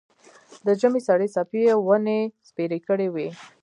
د ژمي سړې څپې یې ونې سپېرې کړې وې.